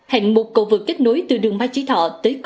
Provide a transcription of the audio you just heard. hạng mục cầu vực kết nối từ đường ma chí thọ